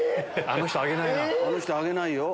あの人挙げないよ。